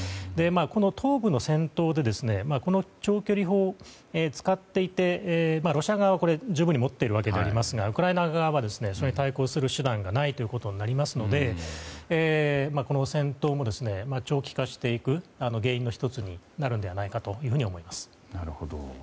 この東部の戦闘で長距離砲を使っていてロシア側は十分に持っているわけでありますがウクライナ側はそれに対抗する手段がないとなりますのでこの戦闘も長期化していく原因の１つになるのではないかと思います。